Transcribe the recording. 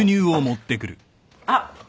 あっ。